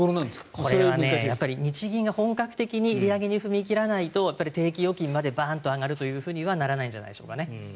これは、日銀が本格的に利上げに踏み切らないと定期預金までバーンと上がるというふうにはならないんじゃないでしょうか。